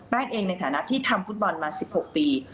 เองในฐานะที่ทำฟุตบอลมา๑๖ปี